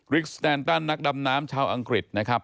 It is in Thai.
กสแตนตันนักดำน้ำชาวอังกฤษนะครับ